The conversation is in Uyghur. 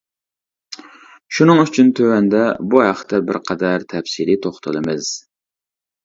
شۇنىڭ ئۈچۈن تۆۋەندە بۇ ھەقتە بىرقەدەر تەپسىلىي توختىلىمىز.